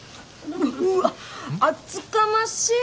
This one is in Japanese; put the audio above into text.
うわ厚かましい！